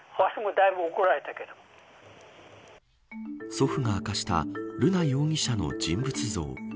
祖父が明かした瑠奈容疑者の人物像。